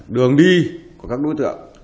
đường đi của các đối tượng